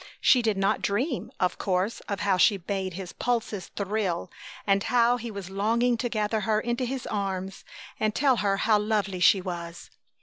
She did not dream, of course, of how she made his pulses thrill and how he was longing to gather her into his arms and tell her how lovely she was.